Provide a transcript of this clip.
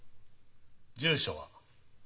住所は？